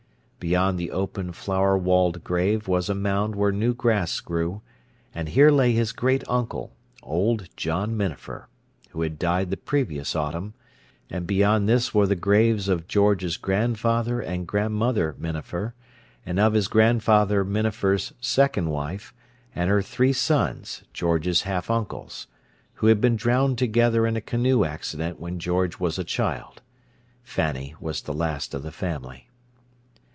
Beyond the open flower walled grave was a mound where new grass grew; and here lay his great uncle, old John Minafer, who had died the previous autumn; and beyond this were the graves of George's grandfather and grandmother Minafer, and of his grandfather Minafer's second wife, and her three sons, George's half uncles, who had been drowned together in a canoe accident when George was a child—Fanny was the last of the family.